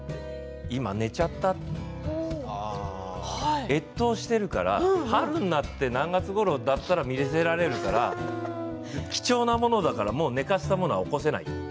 今、寝ちゃった越冬しているから春になって何月ごろだったら見せられるから貴重なものだからもう寝かせたものは起こせない。